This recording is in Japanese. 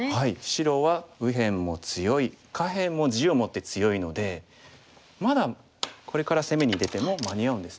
白は右辺も強い下辺も地を持って強いのでまだこれから攻めに出ても間に合うんですね。